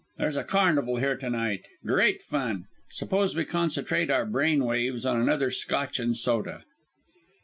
There's a carnival here to night; great fun. Suppose we concentrate our brain waves on another Scotch and soda?"